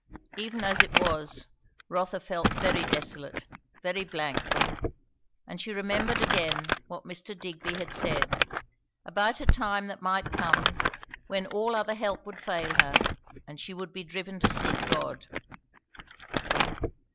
Even as it was, Rotha felt very desolate, very blank; and she remembered again what Mr. Digby had said, about a time that might come when all other help would fail her and she would be driven to seek God.